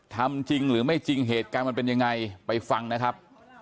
ทำจริงหรือไม่จริงเหตุการณ์มันเป็นยังไงไปฟังนะครับ